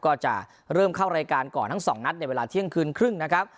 ก็จะเริ่มเข้ารายการก่อนทั้งสองนัดในเวลาเที่ยงคืนครึ่งนะครับ